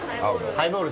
ハイボール。